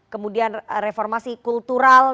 kemudian reformasi kultural